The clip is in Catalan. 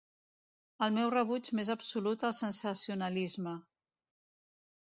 El meu rebuig més absolut al sensacionalisme.